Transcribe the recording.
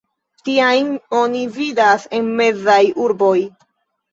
Tiajn oni vidas en mezaj urboj.